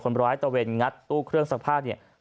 คนร้ายตระเวนงัดตู้เครื่องสักผ้า